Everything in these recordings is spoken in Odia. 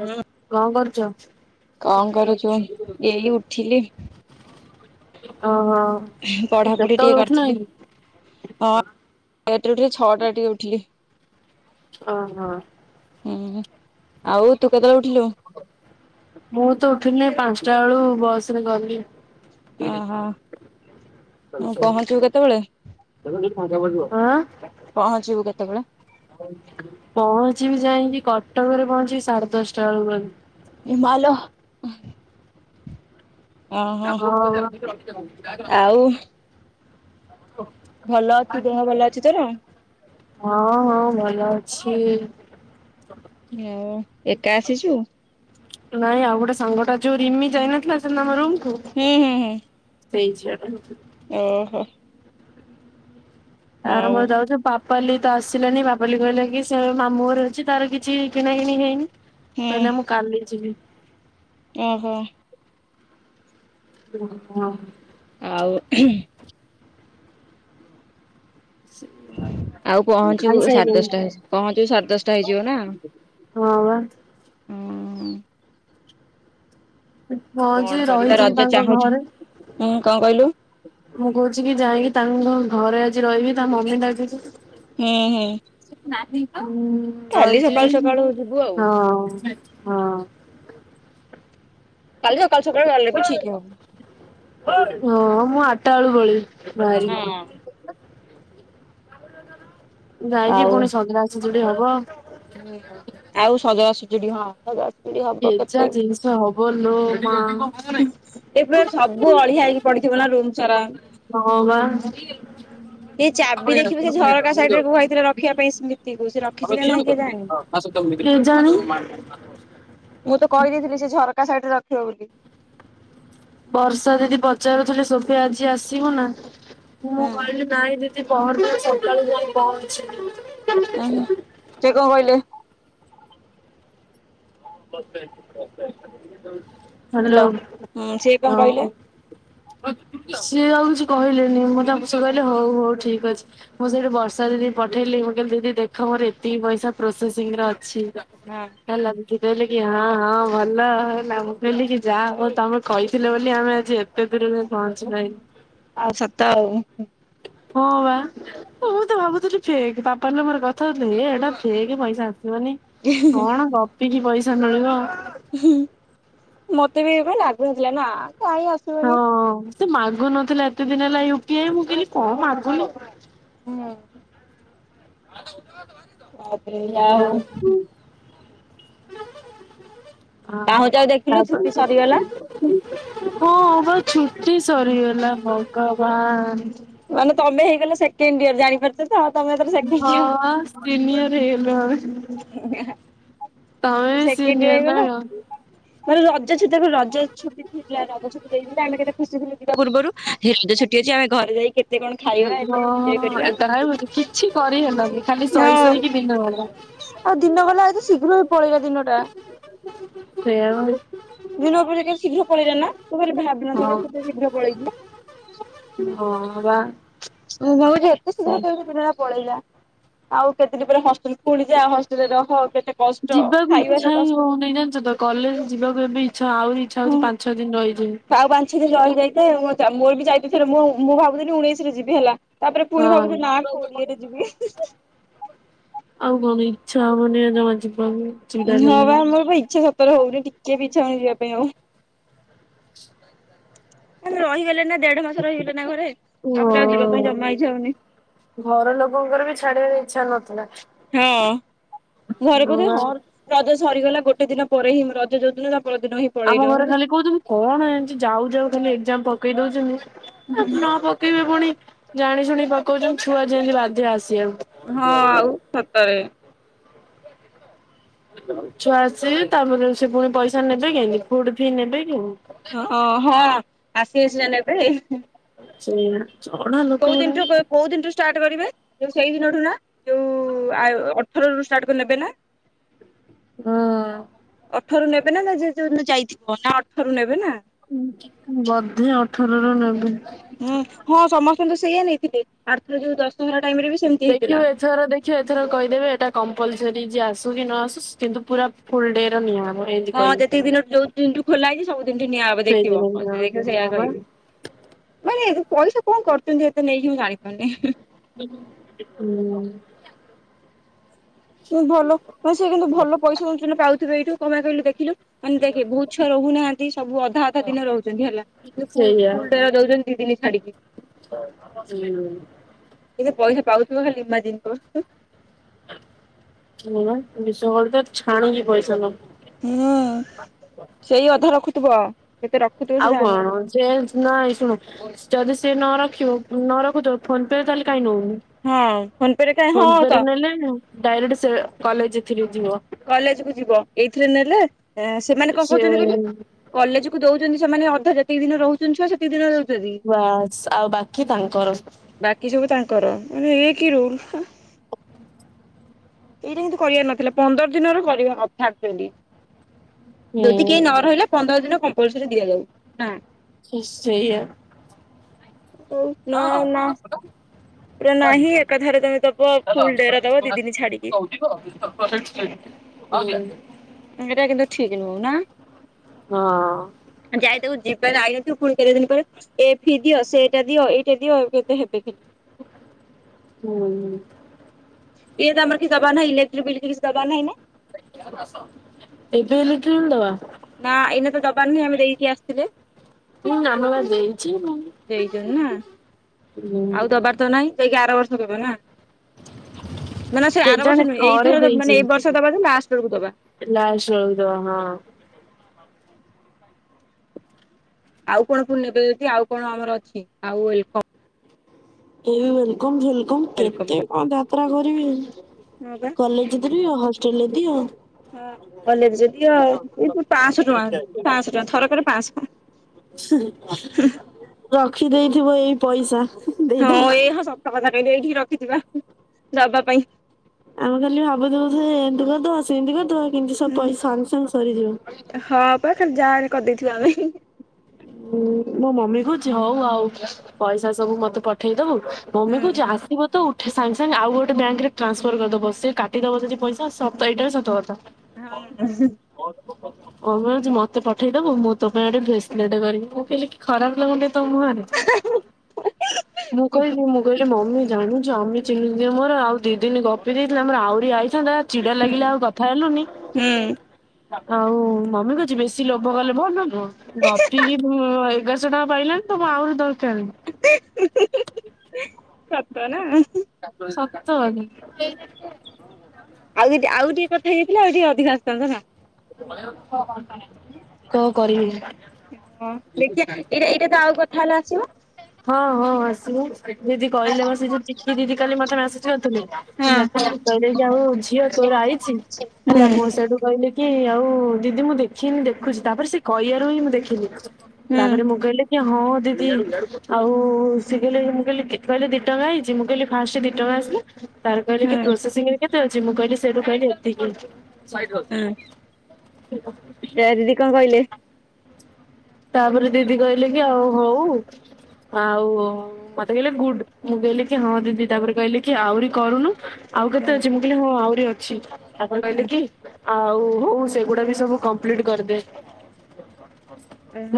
ହୁଁ। କଣ କରୁଛ? କଣ କରୁଛୁ ଏ, ଏଇ ଉଠିଲି। ଓହୋ ତୁ ପଢ଼ାପଢ଼ି କେତେବେଳେ ଟିକେ ଉଠିଲଣି? କରିଥିଲି। ହଁ ଲେଟ୍ ରେ ଟିକେ ଉଠିଲି ଛଅଟା ରେ ଟିକେ ଉଠିଲି। ଓ ହୋ। ହୁଁ ଆଉ ତୁ କେତେବେଳେ ଉଠିଲୁ? ମୁଁ ତ ଉଠିଲି ପାଞ୍ଚଟା ବେଳୁ ବସ୍ ରେ ଗଲି। ଓହୋ। ମୁଁ ପହଞ୍ଚିବୁ କେତେବେଳେ? [unintelligible] ପହଞ୍ଚିବୁ କେତେବେଳେ? ପହଞ୍ଚିବି ଯାଇକି କଟକରେ ପହଞ୍ଚିବି ସାଢେ଼ ଦଶଟା ବେଳକୁ। ହିମାଲୟ। ଓହୋ ହଁ ଆଉ। ଭଲ ଅଛି ଦେହ ଭଲ ଅଛି ତୋର? [unintelligible] ହଁ ହଁ ଭଲ ଅଛି। ହଉ ଏକା ଆସିଛୁ? ନାଇଁ ଆଉ ଗୋଟେ ସାଙ୍ଗଟା ଯୋଉ ରିମି ଯାଇନଥିଲା ସେଦିନ ଆମ ରୁମ୍ କୁ ହୁଁ ହୁଁ ହୁଁ। ସେଇ ଝିଅ ଟା। ଓହୋ। ତାର ଆଉ ମୋର ଯାଉଚୁ ପା ପାପାଲି ତ ଆସିଲାନି ପାପାଲି କହିଲା କି ସେ ମାମୁଁ ଘର ଅଛି ତାର କିଛି କିଣା କିଣି ହେଇନି। ହୁଁ କହିଲା ମୁଁ କାଲି ଯିବି। ଓହୋ। [unintelligible] ଆଉ ଆଉ ପହଞ୍ଚିବୁ ସାଢ଼େ ଖାଇସାଇଲେଣି? ଦଶଟା ହେଇ ପହଞ୍ଚିବୁ ସାଢେ ଦଶଟା ହେଇଯିବ ନା? ହଁ‌ ବା। ହଁ କଣ ଯେ କରିବା ରହିଯିବି ରଜ ତାଙ୍କ ଚାହୁଁଛୁ ଘରେ। ହୁଁ କଣ କହିଲୁ? ମୁଁ କହୁଛି କି ଯାଇକି ତାଙ୍କ ଘରେ ଆଜି ରହିବି ତା ମମି ଡାକିଛି। ହୁଁ ହୁଁ। [unintelligible] କାଲି ସକାଳୁ ରହିଛି ସକାଳୁ ଯିବୁ ଆଉ ହଁ ହଁ। କାଲି ସକାଳୁ ସକାଳୁ ଗଲେ ବି ଠିକ୍ ହବ। ହଁ ମୁଁ ଆଠଟା ବେଳୁ ପଲେଇବି ବାହାରିକି। ହଁ ଯାଇକି ପୁଣି ସଜଡା଼ ସଜାଡି଼ ହବ। ହୁଁ ଆଉ ସଜଡ଼ା ସଜାଡୁ ହଁ [unintelligible] ଏଜା କେତେ ଜିନିଷ ହବ ଲୋ ମା। ଏବେ ସବୁ ଅଳିଆ ହେଇକି ପଡ଼ିଥିବ ନା ରୁମ୍ ସାରା। ହ ବା। ଏଇ ଚାବି ଦେଖିବୁ ସେ ଝରକା ସାଇଡ଼ି ରେ କୁହା ହେଇଥିଲା ରଖିବା ପାଇଁ ସ୍ମିତିକୁ ସେ ରଖିଛି କି ନାହିଁ କେଜାଣି। କେଜାଣି। ମୁଁ ତ କହିଦେଇଥିଲି ସେ ଝରକା ସାଇଡି଼ ରେ ରଖିବ ବୋଲି। ବର୍ଷା ଦିଦି ପଚାରୁଥିଲେ ସୋଫିଆ ଆଜି ଆସିବ ନା ମୁଁ ହୁଁ କହିଲି ନାଇଁ ଦି ପହର ଦିନ ସକାଳେ ଯାଇ ପହଞ୍ଚିଲି। ଉଁ ହୁଁ ସେ କଣ କହିଲେ? ହ୍ୟାଲୋ ହୁଁ ସେ କଣ ହଁ କହିଲେ ହଁ। ସିଏ ଆଉ କିଛି କହିଲେନି ମୁଁ ତାଙ୍କୁ ସେ କହିଲେ ହଉ ହଉ ଠିକ୍ ଅଛି। ମୁଁ ସେଇଠୁ ବର୍ଷା ଦିଦିକି ପଠେଇଲି ମୁଁ କହିଲି ଦିଦି ଦେଖ ମୋର ଏତିକି ପଇସା ପ୍ରୋସେସିଂ ରେ ଅଛି। ନା। [unintelligible] ସେ କହିଲେ କି ହଁ ହଁ ଭଲ ହେଲା ମୁଁ କହିଲି କି ଯାଆହଉ ତମେ କହିଥିଲ ବୋଲି ଆମେ ଆଜି ଏବ୍ [unintelligible] ପହଞ୍ଚି ପାଇଲୁ। ଆଉ ସତ ଆଉ ହୁଁ। ହଁ ବା ମୁଁ ତ ଭାବୁଥିଲି ଫେକ୍ ପାପା ଙ୍କ ମୋର କଥା ହଉଥିଲୁ ହେ ଏଇଟା ଫେକେ ପଇସା ଆସିବନି। କଣ ଗପିକି ପଇସା ମିଳିବ? ହୁଁ ମତେ ବି ଏବେ ଲାଗୁନଥିଲା ନା କାଇଁ ଆସ୍ ହଁ ସେ ମାଗୁନଥିଲା ଏତେ ଦିନ ହେଲା ୟୁ ପି ଆଇ ମୁଁ କଇଲି କଁ ମାଗୁନି। ହୁଁ। ତାପରେ ଯାହା ହେଲା ହଉ ହୁଁ। ହଁ ପାହୁଁଯାକୁ ଦେଖିଲୁ ଛୁଟି ତାଉପରେ ସରିଗଲା। ହଁ ବା ଛୁଟି ସରିଗଲା ଭଗବାନ। ମାନେ ତମେ ହେଇଗଲ ସେକେଣ୍ଡ ଇୟର୍ ଜାଣିପାରୁ ସେଇଠି ତ ତମେ ଏଥର ସେକେଣ୍ଡ୍ ହଁ ସିନିୟର ହେଇଗଲୁ ଆମେ ଇଅର୍। ତମେ ବି ସେକେଣ୍ଡ୍ ଇଅର୍ ସିନିୟର ନା ହେଇଗଲା କଣ? ପୁଣି ରଜ ଛୁଟି [unintelligible] ରଜ ଛୁଟି [unintelligible] ରଜ ଛୁଟି ଦେଇଛନ୍ତି ଆମେ କେତେ ଖୁସି ଥିଲୁ ଯିବା ପୂର୍ବରୁ ଯେ ସେ ଛୁଟି ହେଇଚି ଆ ଘରେ ଯାଇ କେ ହଁ [unintelligible] କିଛି କରିହେଲାନି ଖାଲି ଶୋଇ ଶୋଇକି ଦିନ ଗଲା। ଆଉ ଦିନ ଗଲା ଏତେ ଶୀଘ୍ର ଏଇ ପଳେଇଲା ଦିନଟା। ସେଇଆ [unintelligible] ଦିନରେ [unintelligible] ଶୀଘ୍ର ପଳେଇଲା ନା ତୁ ଖାଲି ଭାବିନଥେଲେ ହଁ। ସେ ଏତେ ଶୀଘ୍ର ପଳେଇ [unintelligible] ହଁ ବା। ମୁଁ ଭାବୁଚି ଏତେ ଶୀଘ୍ର କେମିତି ଦିନ ରା ପଳେଇଲା ଆଉ କେତେ ଟି ପରେ ହଷ୍ଟେଲ ପୁଣି ଯା ହଷ୍ ରେ ରହ କେତେ କଷ୍ଟ ଖାଇବା ସେ କଷ୍ଟ ନାଇଁ ଜାଣଚୁ ତ କଲେଜ ଯିବାକୁ ଏବେ ଇଛା ଆଉରି ଇଚ୍ଛା ହଉଚି ପାଞ୍ଚ୍ ଛଅ ଦିନ ରହିଯିବି। ଆଉ ପାଞ୍ଚ୍ ଛଅ ଦିନ ରହିଯାଇଥାଏ ମୋ ଚାଲ୍ ମୋର ବି ଯାଇଥିଲି [unintelligible] ମୁଁ ମୁଁ ଭାବୁଥିଲି ଉଣେଇଶି ରେ ଯିବି ହେଲା ତାପରେ ପୁଣି ହଁ ଭାବୁଛି ନା କୋଡିଏରେ ଯିବି ହିଁ ହିଁ। ଆଉ କଣ ଏଇ ଇଚ୍ଛା ହଉନି ଜମା ଯିବାକୁ। ଚିଡା ନାଁ ଲାଗିବ। ବା ମୋର ବା ଇଚ୍ଛା ସତରେ ହଉନି ଟିକେ ବି ଇଚ୍ଛା ହଉନି ଯିବା ପାଇଁ ଆଉ। ମାନେ ରହିଗଲେ ନା ଦେଢ ମାସ ରହିଗଲେ ନା ଘରେ ତାପରେ ଆଉ ଯିବା ପାଇଁ ହଁ ଜମା ଇଚ୍ଛା ହଉନି। ଘର ଲୋକଙ୍କର ବି ଛାଡିବାରେ ଇଚ୍ଛା ନଥିଲା। ହଁ ଘରେ କହୁଛନ୍ତି ହଁ ର ରଜ ସରିଗଲା ଗୋଟେ ଦିନ ପରେ ହିଁ ରଜ ଯୋଉଦିନ ତା ପରଦିନ ହିଁ ପଳେଇଲ। ଆମ ଘରେ ଖାଲି କହୁଚନ୍ତି କଣ ଏମତି ଯାଉ ଯାଉ ଖାଲି ଏକଜାମ୍ ପକେଇ ଦଉଚନ୍ତି ଏ ନା ପକ୍ କି ପୁଣି ଜାଣିଶୁଣି ପକଉଚନ୍ତି ଛୁଆ ଯେମିତି ବାଧ୍ୟ ଆସିିଆକୁ। ହଁ ଆଉ ସତରେ। ଛୁଆ ଆସିବେ ତାପରେ ସେ ପୁଣି ପଇସା ନେବେ କେମତି ଫୁଡ ଫି ନେବେ କେମି ଓ ଅ ହଁ ଆସିଲେ ସିନା ନେବେ ଉ ହୁଁ। ସେଇଆ ଚ [unintelligible] କୋଉ ଦିନଠୁ ବା କୋଉ ଦିନଠୁ? ଷ୍ଟାର୍ଟ କରିବେ ଯୋଉ ସେଇ ଦିନଠୁ ନା ଯୋଉ ଆୟୋ ଅଠରରୁ ଷ୍ଟାର୍ଟ କରି ନେବେ ନା? [inaudible] ହଁ। ଅଠରୁ ନେବେ ନା ନା ଯେ ଯୋଉ ଦିନ ଯାଇଥିବ ନା ଅଠରରୁ ନେବେ ନା। ବଧେ ଅଠର ରୁ ନେବେ। ହୁଁ ହଁ ସମସ୍ତେ ତ ସେଇୟା ନେଇଥିଲେ ଆରଥର ଯୋଉ ଦଶହରା ଟାଇମ୍ ରେ ବି ସେମିତି ହେଇଥିଲା ଦେଖିବୁ ଏଥର ଦେ [unintelligible] ଏଥର କହିଦେବେ ଏଟା କମ୍ପଲସରି ଯେ ଆସୁ କି ନ ଆସୁ କିନ୍ତୁ ପୁରା ଫୁଲ୍ ଡେ ର ନିଆହବ। ଏମିତି ହଁ କହିବି ଯେତିକି ଦିନ ଯୋଉ ଦିନୁ ଠୁ ଖୋଲା ହେଇଚି ସବୁ ଦିନ ଠୁ ନିଆହବ ଦେଖିବ ସେଇଦିନ ନିଆହବ ସିଏ ସେଇଆ ହଁ ପା। କହିବେ। ମାନେ ପଇସା କଣ କରୁଛନ୍ତି ଏତେ ନେଇକି ମୁଁ ଜାଣିପାରୁନି। ହୁଁ। ଭଲ ସିଏ କିନ୍ତୁ ଭଲ ପଇସା ପାଉଥିବେ ଏଇଠୁ କଣ ପାଇଁ କହିଲୁ ଦେଖିଲୁ ମାନେ ଦେଖେ ବହୁତ୍ ଛୁଆ ରହୁ ନାହାନ୍ତି ସବୁ ଅଧା ଅଧା ଦିନି ରହୁଛନ୍ତି ହେଲା ଫୁଲ୍ ସେଇଆ। ଫୁଲ୍ ଡେ ଦୋଉଚନ୍ତି ଦି ଦିନି ଛାଡିକି। [unintelligible] ଏତେ ପଇସା ପାଉଥିବ ଖାଲି ଇମାଜିନ୍ କର। ହଁ ବା ବିଶ୍ୱ [unintelligible] ଛାଣୁଚି ପଇସା ଲୋ। ହୁଁ ସେଇ ଅଧା ରଖୁଥିବ କେତେ ରଖ ଆଉ କଣ ସେ ନାଇଁ ଶୁଣ ଯଦି ସି ନ ରଖିବ ନ ରଖୁଥିବ ଫୋନ୍ ପେ ରେ ତାହେଲେ କାହିଁ ନଉନି? ହଁ ଫୋନ ପେ ରେ କାଇଁ ଫୋନ୍ ହଁ ପେ ତ ରେ ନେଲେ ଡାଇରେକ୍ଟ ସେ କଲେଜ ଏଥିରେ ଯିବ। କଲେଜ କୁ ଜିବ ଏଇଥିରେ ନେଲେ ସେମାନେ କଣ ସେ କହୁଛନ୍ତି କହିଲୁ? କଲେଜ କୁ ଦଉଛନ୍ତି ସେମାନେ ଅଧା ଯେତିକି ଦିନି ରହୁଛନ୍ତି ଛୁଆ ସେତିକି ଦିନ ଦଉଛନ୍ତି ବାସ୍ ଆଉ ବାକି ତାଙ୍କର ସବୁ। ବାକି ସବୁ ତାଙ୍କର ମାନେ ଇଏ କି ରୁଲ୍। ଏଇଟା କିନ୍ତୁ କରିବାର ନଥିଲା ପନ୍ଦର ଦିନ ର କରିଆ [unintelligible] ଯଦି କେହି ହୁଁ ନ ରହିଲେ? ପନ୍ଦର ଦିନ କମ୍ପଲ୍ସରି ଦିଆଯାଉ ହୁଁ। ସେ ସେଇୟା। ହଉ ନ ନା। ପୁରା ନାହିଁ ଏକାଥରେ ତମେ ଦବ ଫୁଲ ଡେର ଦବ ଦି ଦିନ [unintelligible] ଛାଡିକି [unintelligible] ଏଇଟା କିନ୍ତୁ ଠିକ୍ ନୁହଁ ନା? ହଁ। ଯାଇଥିବୁ ଯିବାର ଆଇନଥିବୁ କେତେ ଦିନି ପରେ ଏ ଫି ଦିଅ ସେଇଟା ଦିଅ ଏଇଟା ଦିଅ କେତେ ହେବେ କେ ହୁଁ। ଇଏ ତ ଆମର କିଛି ଦବାର ନାହିଁ ଇଲେକ୍ଟ୍ରି ବିଲ୍ ଫିଲ୍ ଦବାର ନାହିଁ ନା। ଏବେ ଇଲେକ୍ଟ୍ରି ବିଲ୍ ଦବା। ନା ଏଇନା ତ ଦବାର ନାହିଁ ଆମେ ଦେଇକି ଆସିଥିଲେ? ହୁଁ ଆମେ ବା ଦେଇଛି ଦେଇଛନ୍ତି ନା ହୁଁ ଆଉ ଦବାର ତ ନାଇଁ। ଜାଇକି ଆର ବର୍ଷ ଦେବେ ନା? ମାନେ ସେ ଆର କେଜାଣି ବର୍ଷ ନୁହେଁ ଥରେ ଏଇଥର ମାନେ ଏଇ ବର୍ଷ ଦବା ଯେ ଲାଷ୍ଟ୍ ବେଳକୁ ଦବା। ଲାଷ୍ଟ୍ ବେଳକୁ ଦବା ହଁ। [inaudible] ଆଉ କଣ ପୁଣି ନେବେ ଯଦି ଆଉ କଣ ଆମର ଅଛି ଆଉ ଏଲକ ଏ ୱଲକମ୍ ଫୁଏଲକମ୍ ୱେଲକମ କେତେ କରି କଣ ଯାତ୍ରା କରିବେ। ହଁ ବା। କଲେଜ [unintelligible] ହଷ୍ଟେଲରେ ଦିଅ। ହଁ କଲେଜ ରେ ଦିଅ [unintelligible] ପାଞ୍ଚଶହ ଟଙ୍କା ପାଞ୍ଚଶହ ଟଙ୍କା ଥରକରେ ପାଞ୍ଚଶ। ରଖିଦେଇଥିବ ଏଇ ପଇସା ଦେଇଦବ। ହଁ ଏହା ସତ କଥା କହିଲୁ ଏଇଠି ରଖିଥିବା ଦବା ପାଇଁ। ଆମେ ଖାଲି ଭାବୁଥିବୁ ସେ ଏମିତି କରିଦବା ସେମିତି କରିଦବା କେମତି ସବ ପଇସା ସାଙ୍ଗେ ସାଙ୍ଗେ ସରିଯିବ। ହଁ ପା ଖାଲି ଯାହାରେ କରିଦେଇଥବୁ ଆମେ। ହଁ ମୋ ମମି କହୁଛି ହଉ ଆଉ ପଇସା ସବୁ ମତେ ପଠେଇଦବୁ। ମମି ହୁଁ। କହୁଛି ଆସିବ ତ ଉଠେ ସାଙ୍ଗେ ସାଙ୍ଗେ ଆଉ ଗୋଟେ ବ୍ୟାଙ୍କ ରେ ଟ୍ରାନ୍ସଫର କରିଦବ ସେ କାଟିଦବ ଯଦି ପଇସା ସ ଏଇଟା ବି ସତ କଥା। ହଁ [unintelligible] କହୁଅଛି ମତେ ପଠେଇଦବୁ ମୁଁ ତୋ ପାଇଁ ଗୋଟେ ଭେସଲେଟ କରି ମୁଁ କହିଲି କି ଖରାପ ଲାଗୁନି ତ ମୁ ଆ ମୁଁ କହିଲି ମୁଁ କହିଲି ମମି ଜାଣୁ ଜମି ଚିନି ଦିଦିର ମୋର ଆଉ ଦି ଦିନ ଗପି ଦେଇଥିଲେ ଆମର ଆହୁରି ଆଇଥାନ୍ତା। ଚିଡା ଲାଗିଲା ଆଉ କଥା ହେଲୁନି। ଆଉ ମମି କହୁଛି ବେଶୀ ଲୋଭ କଲେ ଭଲ ନୁହଁ ଗପିକି ହଁ ଏଗାରଶହ ଟଙ୍କା ପାଇଲାନି ତମକୁ ଆହୁରି ଦରକାର। ସତ ନା? ସତ ଆଜ୍ଞା। ଆଉ ଇଟି ଆଉ ଟିକେ କଥା ହେଇଯାଇଥିଲେ ଆଉ ଟିକେ ଅଧିକ ଆସଥାନ୍ତା ନା? କଣ କରିମି? ହଁ ଦେଖିଆ ଏଇଟା ଏଇଟା ତ ଆଉ କଥା ହେଲା ଆସିବ? ହଁ ହଁ ଆସିବ ଦିଦି କହିଲେ ମ ସେ ଯୋଉ ଚିନୁ ଦିଦି କାଲି ମତେ ମେସେଜ କରିଥିଲେ। ହଁ ହେଲା ହୁଁ କହିଲେ କି ଆଉ ଝିଅ ତୋର ଆଇଛି ହେଲା ମୋ ସେଡୁ କହିଲେ କି ଆଉ ଦିଦି ମୁଁ ଦେଖିନି ଦେଖୁଛି ତାପରେ ସେ କହିବାରୁ ହିଁ ମୁଁ ଦେଖିଲି। ହୁଁ ତାପରେ ମୁଁ କହିଲି ଆଜ୍ଞା ହଁ ଦିଦି ଆଉ ସିଏ କହିଲେ ମୁଁ କହିଲି କି କହିଲେ ଦି ଟଙ୍କା ଆଇଛି ମୁଁ କହିଲି ଫାଷ୍ଟ ଦି ଟଙ୍କା ଆସିଲା ତାପରେ କହିଲେ କି ହୁଁ ପ୍ରୋସେସିଂରେ କେତେ ଅଛି ମୁଁ କହିଲି ସେଇଠୁ କହିଲି ଏତିକି ହେଇଛି। ଆଜ୍ଞା। ଜୟା ଦିଦି କଣ କହିଲେ? ତାପରେ ଦିଦି କହିଲେ କି ଆଉ ହଉ ଆଉ ମତେ କହିଲେ ଗୁଡ ମୁଁ କହିଲି କି ହଁ ଦିଦି ତାପରେ କହିଲେ କି ଆହୁରି କରୁନୁ। ଆଉ ହୁଁ କେତେ ଅଛି ମୁଁ କହିଲି ହଁ ଆହୁରି ଅଛି ତାପରେ କହିଲେ ହୁଁ କି ଆଉ ହଉ ସେଗୁଡା ବି ସବୁ କମ୍ପ୍ଲିଟ କରିଦେ।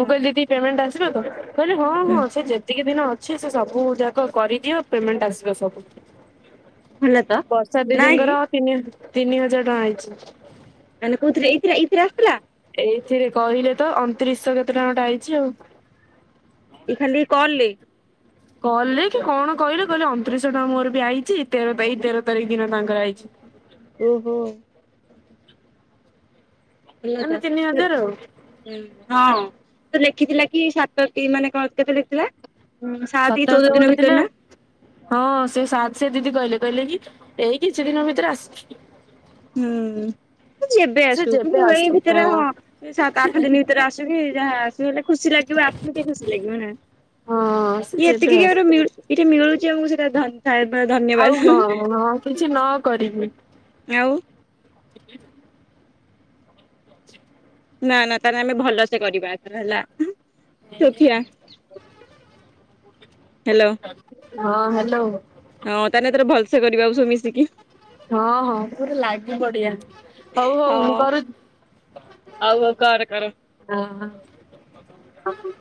ମୁଁ କହିଲି ଦିଦି ପେମେଣ୍ଟ ଆସିବ ତ? କହିଲେ ହଁ ହୁଁ ହଁ ସେ ଯେତିକି ଦିନ ଅଛି ସେ ସବୁ ଯାକ କରିଦିଅ ପେମେଣ୍ଟ ଆସିବ ସବୁ। ଭଲ ତ ବର୍ଷା ନାଇଁ ଦିଦିଙ୍କର ତିନି ତିନି ହଜାର ଟଙ୍କା ଆଇଛି। ମାନେ କୋଉଥିରେ ଇଥିରେ ଇଥିରେ ଆସିଥିଲା? ଏଇଥିରେ କହିଲେ ତ ଅଣତିରିଶଶହ କେତେ ଟଙ୍କା ଗୋଟେ ଆଇଛି ଆଉ। ଖାଲି ଏ କଲରେ? କଲେ କି କଣ କହିଲେ କହିଲେ ଅଣତିରିଶ ଟଙ୍କା ମୋର ବି ଆଇଛି ତେର ତା ତେର ତାରିଖ ଦିନ ତାଙ୍କର ଆଇଛି। ଓହୋ! [unintelligible] ମାନେ ତିନି ହଜାର ଆଉ ହଁ ସେ ଲେଖିଥିଲା କି ସାତଟି ମାନେ କଣ କେତେ ଲେଖିଥିଲା? ହୁଁ ସାତ କି ସତରଶହ ଚଉଦ ଦିନ ଗୋଟେ ଭିତରେ ନା। ହଁ ସେ ସା ସେ ଦିଦି କହିଲେ କହିଲେ କି ଏଇ କିଛି ଦିନ ଭିତରେ ଆସିଛି ହୁଁ। ତ ଯେବେ ସେ ଆସୁ ଯେବେ ତୁ ଏଇ ଆସୁ ଭିତରେ ହଁ ସାତ ଆଠ ଦିନ ଭିତରେ ଆସୁକି ଯାହା [unintelligible] ହେଲେ ଖୁସି ଲାଗିବ ଆସମିତି ଖୁସି ଲାଗିବ ନା ହଁ ସେ ଇଏ ଯେବେ ଏତିକି ଆ ଆସୁ। ଏଠି ମିଳୁଛି ଆମକୁ ସେଇଟା [unintelligible] ଆଉ ଧନ୍ୟବାଦ। ହଁ ହଁ କିଛି ନ କରିବି। ଆଉ [inaudible] ନା ନା ତାହେଲେ ଆମେ ଭଲ ସେ କରିବା ଏଥର ହେଲା ଦେଖିଆ। ହାଲୋ। ହଁ ହାଲୋ। ହଁ ତାହେଲେ ଏଥର ଭଲସେ କରିବା ସବୁ ମିଶିକି। ହଁ ହଁ ପୁରା ଲାଗି ପଡ଼ିବା ହଉ ହଉ ମୁଁ କରୁଛି ହଉ ହଉ କର କର। ହଁ ହଁ।